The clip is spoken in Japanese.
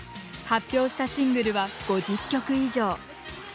発表したシングルは５０曲以上。